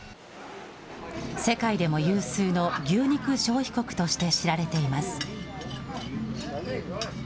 世界でも有数の牛肉消費国として知られています。